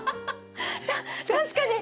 確かに！